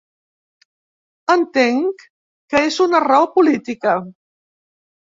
Entenc que és una raó política.